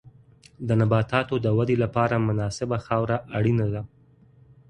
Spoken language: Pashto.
د نباتاتو د ودې لپاره مناسبه خاوره اړینه ده.